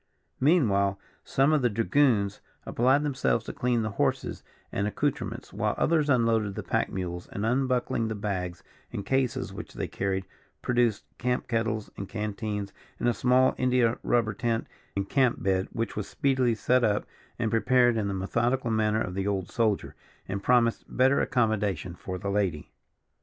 Meanwhile, some of the dragoons applied themselves to clean the horses and accoutrements, while others unloaded the pack mules, and unbuckling the bags and cases which they carried, produced camp kettles and canteens, and a small India rubber tent and camp bed, which was speedily set up and prepared in the methodical manner of the old soldier, and promised better accommodation for the lady.